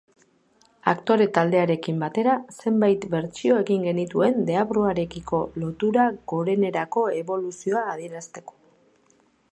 Aktore taldearekin batera, zenbait bertsio egin genituen deabruarekiko lotura gorenerako eboluzioa adierazteko.